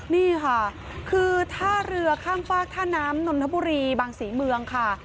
นี่ค่ะคือท่าเรือข้างฟากท่าน้ำนนทบุรีบางศรีเมืองค่ะ